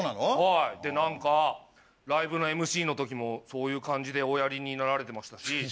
はいで何かライブのＭＣの時もそういう感じでおやりになられてましたし。